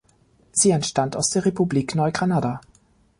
Sie entstand aus der Republik Neugranada.